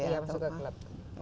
iya masuk ke club